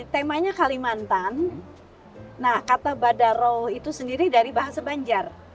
temanya kalimantan nah kata badaro itu sendiri dari bahasa banjar